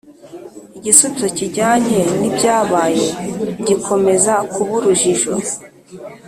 igisubizo kijyanye n’ibyabaye gikomeza kuba urujijo